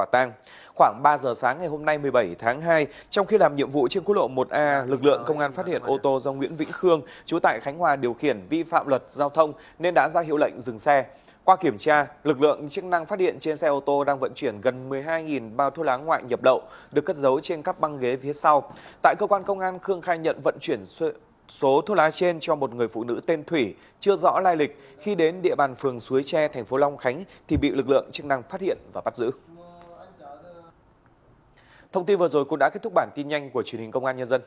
thông tin vừa rồi cũng đã kết thúc bản tin nhanh của truyền hình công an nhân dân